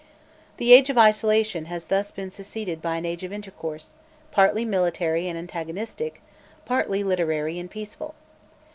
The age of isolation has thus been succeeded by an age of intercourse, partly military and antagonistic, partly literary and peaceful.